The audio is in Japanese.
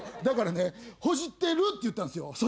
だからねほじってるって言ったんですよ。